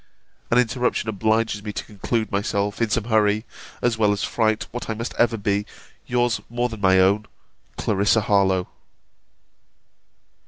An interruption obliges me to conclude myself, in some hurry, as well as fright, what I must ever be, Yours more than my own, CLARISSA HARLOWE.